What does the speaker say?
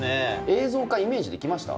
映像化、イメージできました？